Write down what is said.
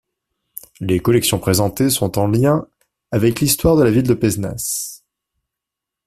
Les collections présentées sont en lien avec l'histoire de la ville de Pézenas.